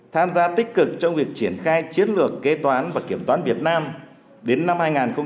tham gia tích cực trong việc triển khai chiến lược kế toán và kiểm toán việt nam đến năm hai nghìn hai mươi